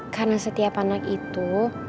karena setiap anak itu